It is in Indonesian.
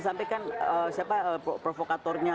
sampaikan siapa provokatornya